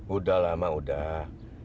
udah lah ma udah